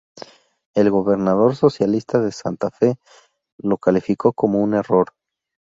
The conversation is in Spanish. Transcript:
El gobernador socialista de Santa Fe lo calificó como "un error".